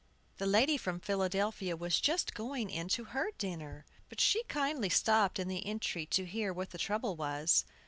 The lady from Philadelphia was just going in to her dinner; but she kindly stopped in the entry to hear what the trouble was.